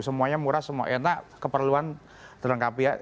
semuanya murah semua enak keperluan terlengkapi ya